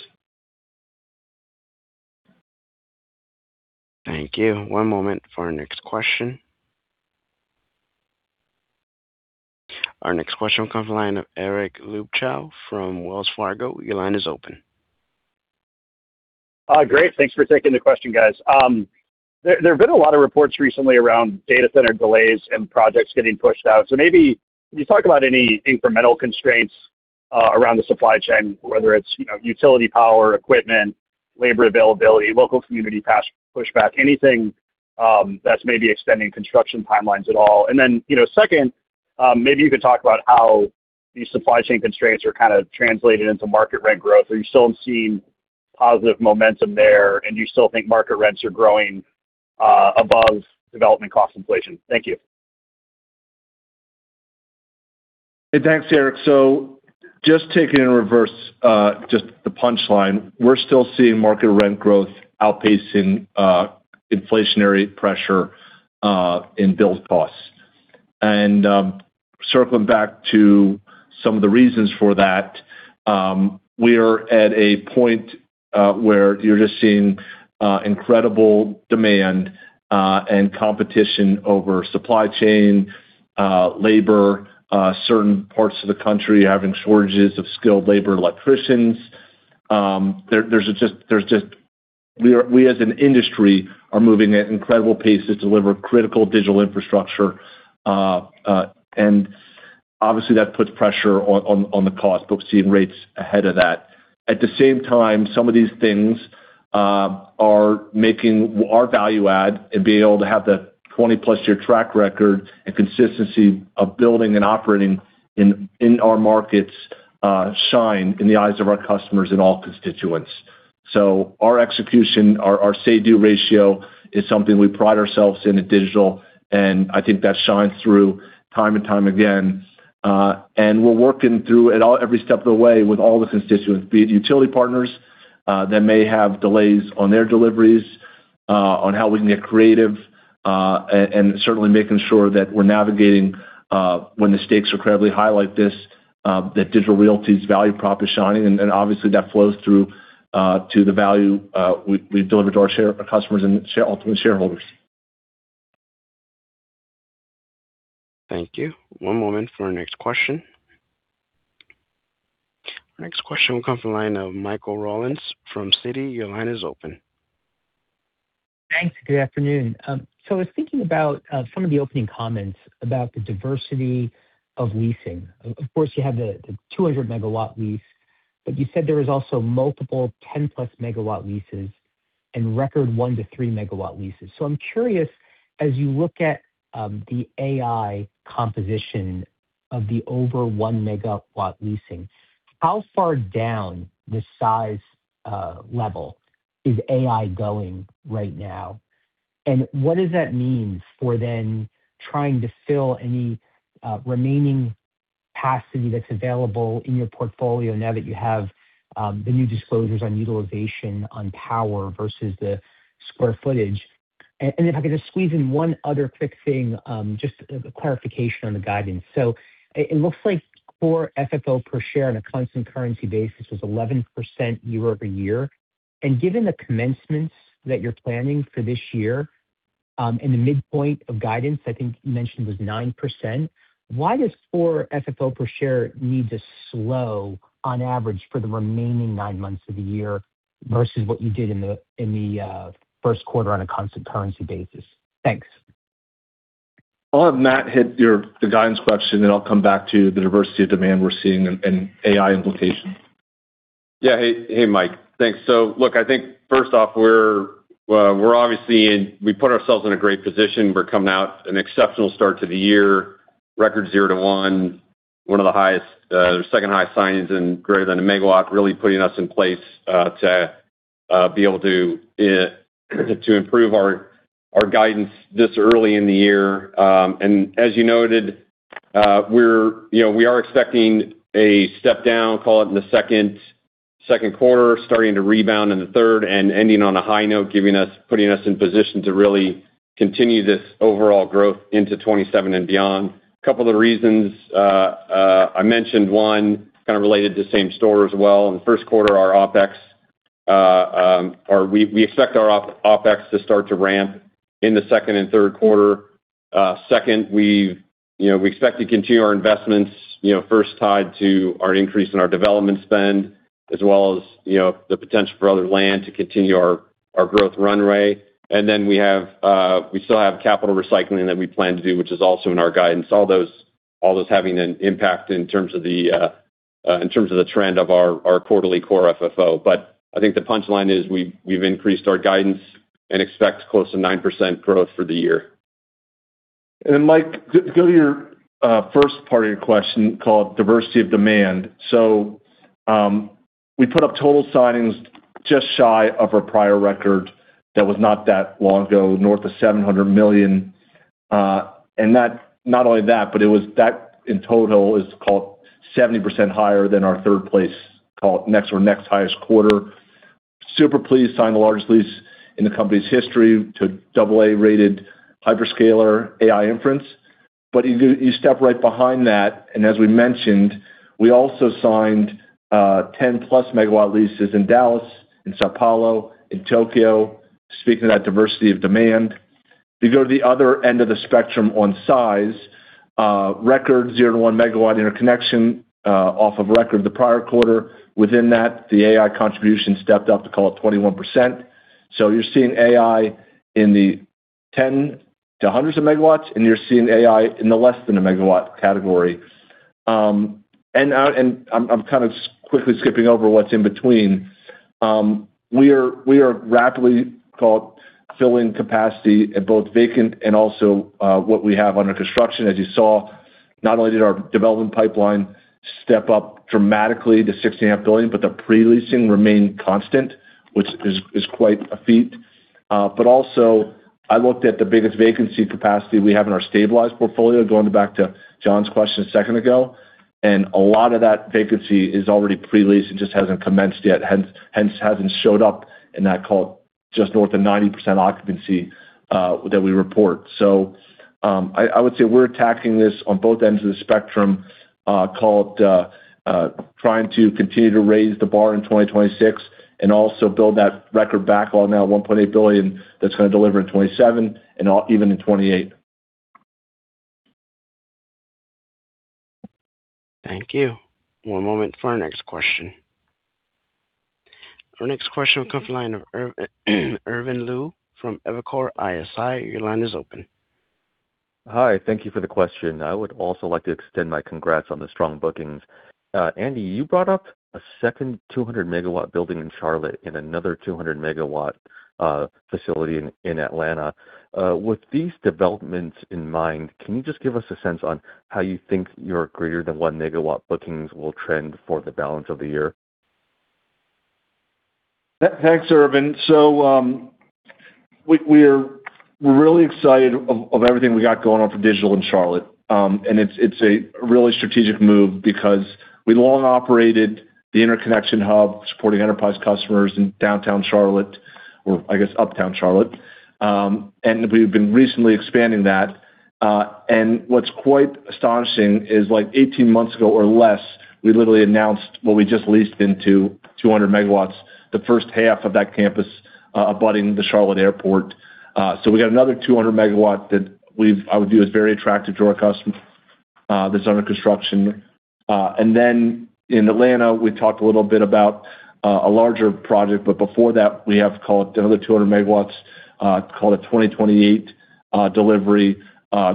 Thank you. One moment for our next question. Our next question will come from the line of Eric Luebchow from Wells Fargo. Your line is open. Great. Thanks for taking the question, guys. There have been a lot of reports recently around data center delays and projects getting pushed out. Maybe can you talk about any incremental constraints around the supply chain, whether it's utility power, equipment, labor availability, local community pushback, anything that's maybe extending construction timelines at all? Second, maybe you could talk about how these supply chain constraints are kind of translated into market rent growth. Are you still seeing positive momentum there, and do you still think market rents are growing above development cost inflation? Thank you. Thanks, Eric. Just taking in reverse, just the punchline, we're still seeing market rent growth outpacing inflationary pressure in build costs. Circling back to some of the reasons for that, we are at a point where you're just seeing incredible demand and competition over supply chain, labor, certain parts of the country having shortages of skilled labor electricians. We as an industry are moving at incredible pace to deliver critical digital infrastructure. Obviously that puts pressure on the cost, but we're seeing rates ahead of that. At the same time, some of these things are making our value add and being able to have the 20+ year track record and consistency of building and operating in our markets shine in the eyes of our customers and all constituents. Our execution, our say-do ratio is something we pride ourselves in at Digital, and I think that shines through time and time again. We're working through it every step of the way with all the constituents, be it utility partners that may have delays on their deliveries, on how we can get creative and certainly making sure that we're navigating when the stakes are incredibly high like this that Digital Realty's value prop is shining, and obviously that flows through to the value we deliver to our customers and ultimate shareholders. Thank you. One moment for our next question. Our next question will come from the line of Michael Rollins from Citi. Your line is open. Thanks. Good afternoon. I was thinking about some of the opening comments about the diversity of leasing. Of course, you have the 200 MW lease, but you said there was also multiple 10+ MW leases and record 1 MW-3 MW leases. I'm curious, as you look at the AI composition of the over 1 MW leasing, how far down the size level is AI going right now? And what does that mean for then trying to fill any remaining capacity that's available in your portfolio now that you have the new disclosures on utilization on power versus the square footage? And if I could just squeeze in one other quick thing, just a clarification on the guidance. It looks like Core FFO per share on a constant currency basis was 11% year-over-year. Given the commencements that you're planning for this year, and the midpoint of guidance, I think you mentioned was 9%, why does Core FFO per share need to slow on average for the remaining nine months of the year versus what you did in the first quarter on a constant currency basis? Thanks. I'll have Matt hit the guidance question, then I'll come back to the diversity of demand we're seeing and AI implications. Hey, Mike. Thanks. Look, I think first off, we put ourselves in a great position. We're coming out of an exceptional start to the year, record Q1, one of the second highest signings greater than a megawatt, really putting us in place to be able to improve our guidance this early in the year. As you noted, we are expecting a step down, call it in the second quarter, starting to rebound in the third and ending on a high note, putting us in position to really continue this overall growth into 2027 and beyond. A couple of the reasons, I mentioned one kind of related to same-store as well. In the first quarter, we expect our OpEx to start to ramp in the second and third quarter. Second, we expect to continue our investments, first tied to our increase in our development spend. As well as the potential for other land to continue our growth runway. Then we still have capital recycling that we plan to do, which is also in our guidance. All those having an impact in terms of the trend of our quarterly Core FFO. I think the punchline is, we've increased our guidance and expect close to 9% growth for the year. Mike, go to your first part of your question, called diversity of demand. We put up total signings just shy of our prior record that was not that long ago, north of $700 million. Not only that, but it was that in total is call it 70% higher than our third place, call it next or next highest quarter. Super pleased to sign the largest lease in the company's history to AA-rated hyperscaler AI inference. You step right behind that, and as we mentioned, we also signed 10+ MW leases in Dallas, in São Paulo, in Tokyo. Speaking of that diversity of demand. You go to the other end of the spectrum on size, record 0-1 MW interconnection off a record in the prior quarter. Within that, the AI contribution stepped up to call it 21%. You're seeing AI in the 10 to 100 MW, and you're seeing AI in the less than a MW category. I'm kind of quickly skipping over what's in between. We are rapidly call it filling capacity at both vacant and also what we have under construction. As you saw, not only did our development pipeline step up dramatically to $16.5 billion, but the pre-leasing remained constant, which is quite a feat. I looked at the biggest vacancy capacity we have in our stabilized portfolio, going back to Jon's question a second ago, and a lot of that vacancy is already pre-leased and just hasn't commenced yet, hence hasn't showed up in that call it just north of 90% occupancy that we report. I would say we're attacking this on both ends of the spectrum, call it trying to continue to raise the bar in 2026 and also build that record backlog now $1.8 billion that's going to deliver in 2027 and even in 2028. Thank you. One moment for our next question. Our next question will come from the line of Irvin Liu from Evercore ISI. Your line is open. Hi. Thank you for the question. I would also like to extend my congrats on the strong bookings. Andy, you brought up a second 200 MW building in Charlotte and another 200 MW facility in Atlanta. With these developments in mind, can you just give us a sense on how you think your greater than 1 MW bookings will trend for the balance of the year? Thanks, Irvin. We're really excited about everything we got going on for Digital in Charlotte. It's a really strategic move because we've long operated the interconnection hub supporting enterprise customers in downtown Charlotte, or I guess uptown Charlotte. We've been recently expanding that. What's quite astonishing is, like 18 months ago or less, we literally announced what we just leased up to 200 MW, the first half of that campus abutting the Charlotte Airport. We got another 200 MW that I would view as very attractive to our customers that's under construction. Then in Atlanta, we talked a little bit about a larger project, but before that, we have call it another 200 MW. Call it 2028 delivery.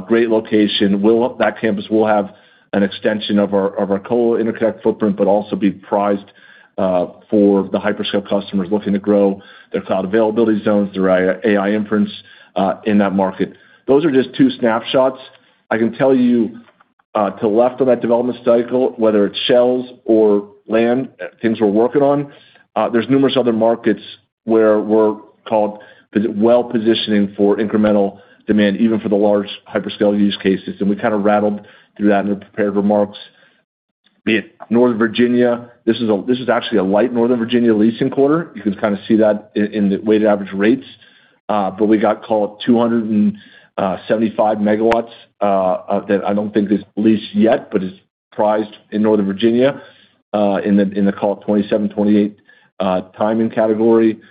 Great location. That campus will have an extension of our Colo interconnect footprint, but also be poised for the hyperscale customers looking to grow their cloud availability zones through AI inference in that market. Those are just two snapshots. I can tell you to the left of that development cycle, whether it's shells or land, things we're working on, there's numerous other markets where we're call it well-positioned for incremental demand, even for the large hyperscale use cases. We kind of walked through that in the prepared remarks. Be it Northern Virginia, this is actually a light Northern Virginia leasing quarter. You can kind of see that in the weighted average rates. We got call it 275 MW that I don't think is leased yet, but is poised in Northern Virginia, in the call it 2027, 2028 timing category.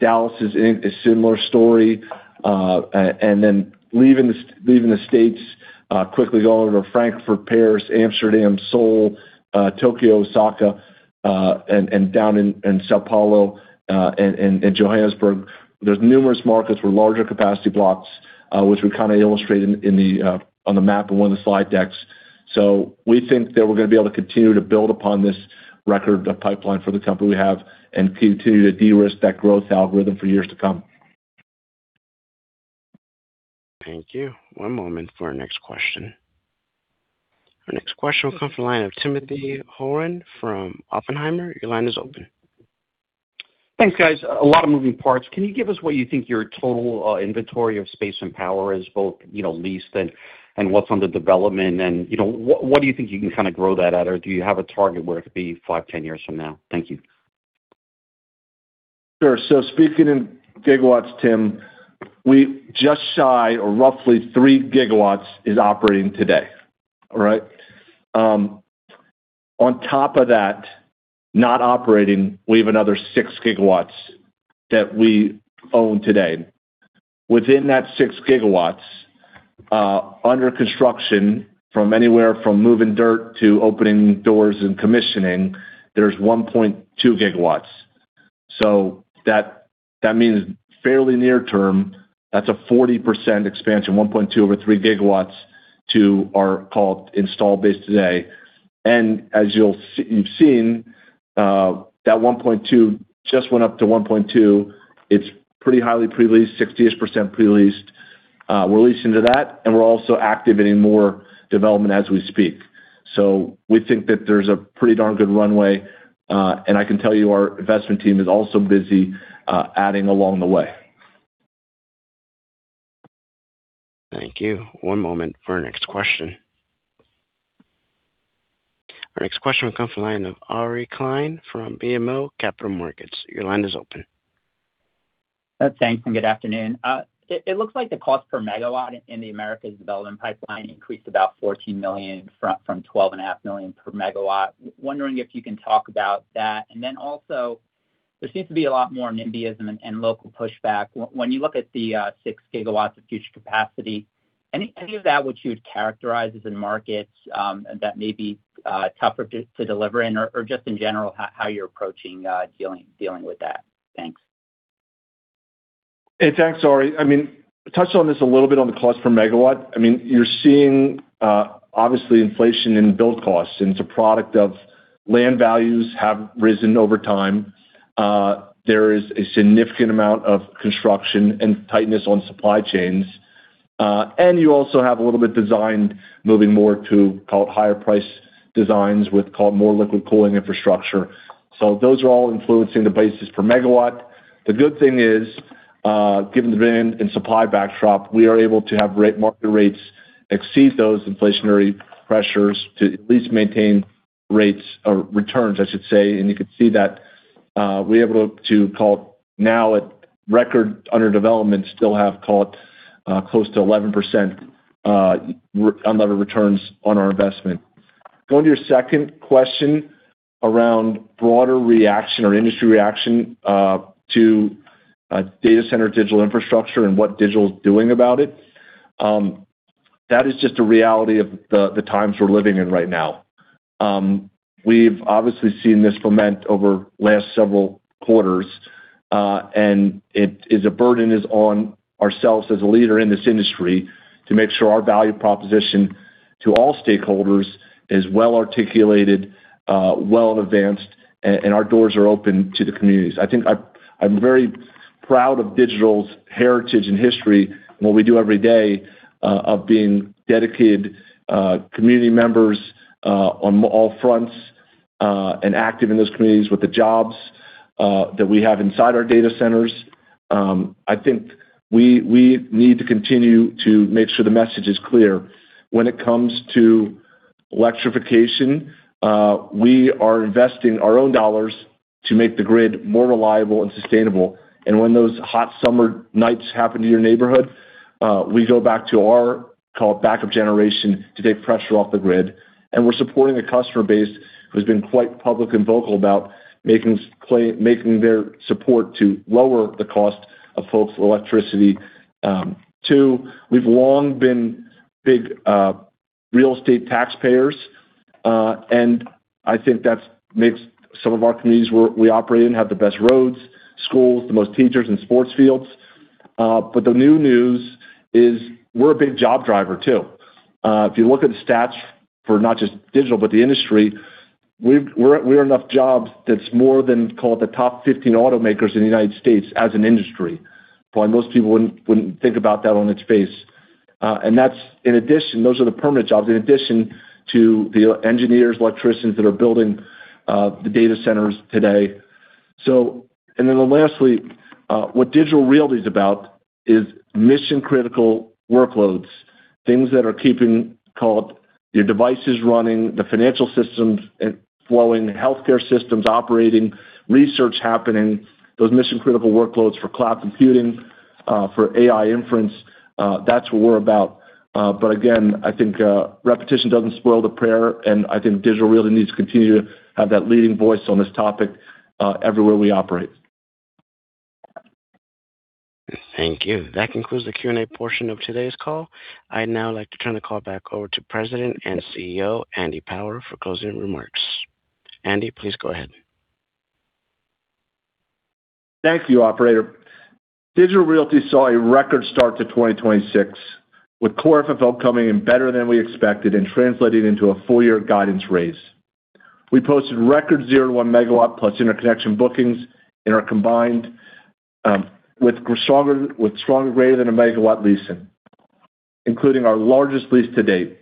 Dallas is a similar story. Leaving the States, quickly going over Frankfurt, Paris, Amsterdam, Seoul, Tokyo, Osaka, and down in São Paulo, and Johannesburg. There's numerous markets where larger capacity blocks, which we kind of illustrate on the map in one of the slide decks. We think that we're going to be able to continue to build upon this record pipeline for the company we have and continue to de-risk that growth algorithm for years to come. Thank you. One moment for our next question. Our next question will come from the line of Timothy Horan from Oppenheimer. Your line is open. Thanks, guys. A lot of moving parts. Can you give us what you think your total inventory of space and power is, both leased and what's under development? What do you think you can kind of grow that at? Or do you have a target where it could be five, 10 years from now? Thank you. Sure. Speaking in gigawatts, Tim, we just shy or roughly 3 GW is operating today. All right. On top of that, not operating, we have another 6 GW that we own today. Within that 6 GW under construction, from anywhere from moving dirt to opening doors and commissioning, there's 1.2 GW. That means fairly near term, that's a 40% expansion, 1.2 GW over 3 GW to our call it installed base today. As you've seen, that 1.2 GW just went up to 1.2 GW. It's pretty highly pre-leased, 68% pre-leased. We're leasing to that, and we're also activating more development as we speak. We think that there's a pretty darn good runway, and I can tell you our investment team is also busy adding along the way. Thank you. One moment for our next question. Our next question will come from the line of Ari Klein from BMO Capital Markets. Your line is open. Thanks, and good afternoon. It looks like the cost per megawatt in the Americas development pipeline increased about $14 million from $12.5 million per megawatt. Wondering if you can talk about that. Then also, there seems to be a lot more NIMBYism and local pushback. When you look at the 6 GW of future capacity, any of that would you characterize as the markets that may be tougher to deliver in? Or just in general, how you're approaching dealing with that? Thanks. Hey, thanks, Ari. I touched on this a little bit on the cost per megawatt. You're seeing obviously inflation in build costs, and it's a product of land values have risen over time. There is a significant amount of construction and tightness on supply chains. You also have a little bit design moving more to call it higher price designs with call it more liquid cooling infrastructure. Those are all influencing the basis per megawatt. The good thing is, given the demand and supply backdrop, we are able to have market rates exceed those inflationary pressures to at least maintain rates or returns, I should say. You could see that we're able to call it now at record under development, still have call it close to 11% unlevered returns on our investment. Going to your second question around broader reaction or industry reaction to data center digital infrastructure and what Digital's doing about it. That is just a reality of the times we're living in right now. We've obviously seen this ferment over last several quarters, and it is a burden on ourselves as a leader in this industry to make sure our value proposition to all stakeholders is well articulated, well advanced, and our doors are open to the communities. I'm very proud of Digital's heritage and history and what we do every day of being dedicated community members on all fronts, and active in those communities with the jobs that we have inside our data centers. I think we need to continue to make sure the message is clear when it comes to electrification. We are investing our own dollars to make the grid more reliable and sustainable. When those hot summer nights happen in your neighborhood, we go back to our call it backup generation to take pressure off the grid. We're supporting a customer base who's been quite public and vocal about making their support to lower the cost of folks' electricity. Two, we've long been big real estate taxpayers, and I think that makes some of our communities where we operate in have the best roads, schools, the most teachers and sports fields. The new news is we're a big job driver too. If you look at the stats for not just Digital, but the industry, we're enough jobs that's more than call it the top 15 automakers in the United States as an industry. Probably most people wouldn't think about that on its face. That's in addition, those are the permanent jobs, in addition to the engineers, electricians that are building the data centers today. Lastly, what Digital Realty is about is mission-critical workloads, things that are keeping call it your devices running, the financial systems flowing, healthcare systems operating, research happening, those mission-critical workloads for cloud computing, for AI inference, that's what we're about. Again, I think repetition doesn't spoil the prayer, and I think Digital Realty needs to continue to have that leading voice on this topic everywhere we operate. Thank you. That concludes the Q&A portion of today's call. I'd now like to turn the call back over to President and CEO, Andy Power, for closing remarks. Andy, please go ahead. Thank you, operator. Digital Realty saw a record start to 2026, with Core FFO coming in better than we expected and translating into a full year guidance raise. We posted record 0-1 MW+ interconnection bookings and, combined with stronger greater than 1 MW leasing, including our largest lease to date.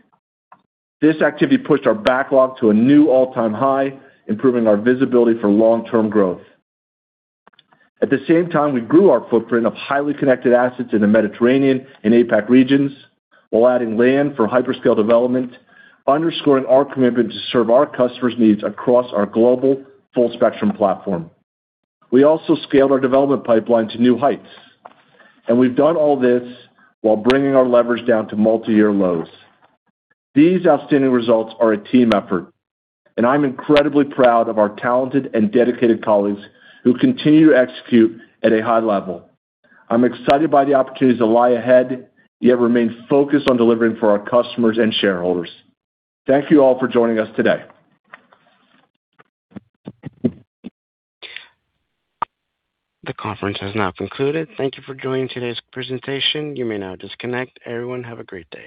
This activity pushed our backlog to a new all-time high, improving our visibility for long-term growth. At the same time, we grew our footprint of highly connected assets in the Mediterranean and APAC regions while adding land for hyperscale development, underscoring our commitment to serve our customers' needs across our global full spectrum platform. We also scaled our development pipeline to new heights, and we've done all this while bringing our leverage down to multi-year lows. These outstanding results are a team effort, and I'm incredibly proud of our talented and dedicated colleagues who continue to execute at a high level. I'm excited by the opportunities that lie ahead, yet remain focused on delivering for our customers and shareholders. Thank you all for joining us today. The conference has now concluded. Thank you for joining today's presentation. You may now disconnect. Everyone, have a great day.